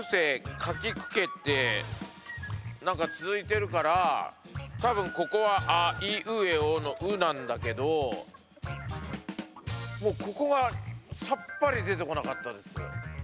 「かきくけ」って何か続いてるから多分ここは「あいうえお」の「う」なんだけどもうここがさっぱり出てこなかったです。